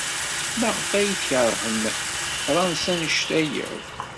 Maɣef ay tkeṛhem Fṛansa anect-a akk?